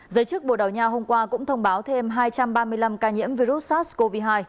giới chức bồ đào nha hôm qua cũng thông báo thêm hai trăm ba mươi năm ca nhiễm virus sars cov hai